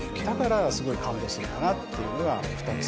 だからすごい感動するのかなっていうのが。